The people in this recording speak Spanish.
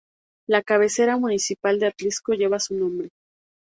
La cabecera municipal de Atlixco lleva su nombre.